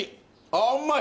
あうまい。